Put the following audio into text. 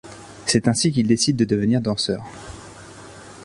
C'est ainsi qu'il décide de devenir danseur.